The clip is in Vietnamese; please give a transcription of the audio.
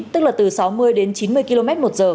tức là từ sáu mươi đến chín mươi km một giờ